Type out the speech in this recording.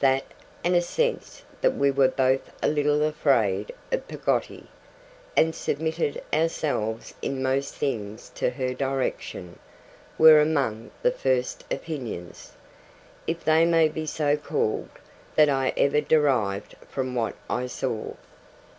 That, and a sense that we were both a little afraid of Peggotty, and submitted ourselves in most things to her direction, were among the first opinions if they may be so called that I ever derived from what I saw.